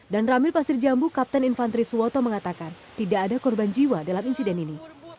dan ramil pasir jambu kapten infantri suwoto mengatakan tidak ada korban jiwa dalam insiden ini